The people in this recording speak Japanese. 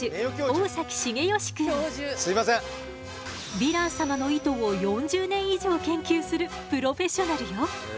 ヴィラン様の糸を４０年以上研究するプロフェッショナルよ。